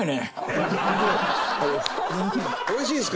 おいしいですか？